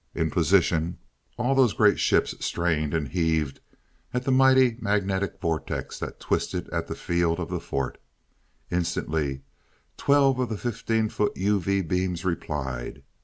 In position, all those great ships strained and heaved at the mighty magnetic vortex that twisted at the field of the fort. Instantly, twelve of the fifteen foot UV beams replied.